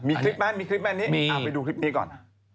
มีคลิปมั้ยมีคลิปมั้ยนี่ไปดูคลิปนี้ก่อน